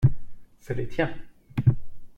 C’est les tiens.